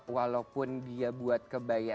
walaupun dia buat kebaya